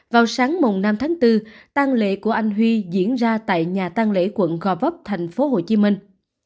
vào sáng mộng năm tháng bốn tăng lễ của anh huy diễn ra tại nhà tăng lễ quận gò vấp thành phố hồ chí minh